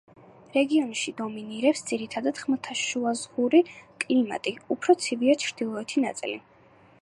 რეგიონში დომინირებს ძირითადად ხმელთაშუაზღვიური კლიმატი, უფრო ცივია ჩრდილოეთი ნაწილი.